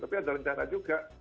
tapi ada rencana juga